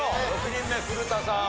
６人目古田さん